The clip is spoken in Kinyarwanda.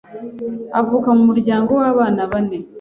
avuka mu muryango w’abana bane